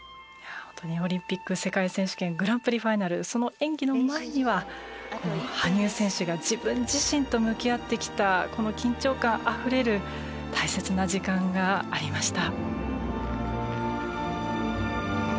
オリンピック世界選手権グランプリファイナルその演技の前には羽生選手が自分自身と向き合ってきたこの緊張感あふれる大切な時間がありました。